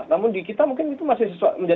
namun di kita mungkin itu masih menjadi